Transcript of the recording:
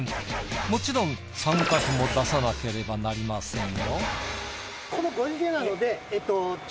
もちろん参加費も出さなければなりませんよ。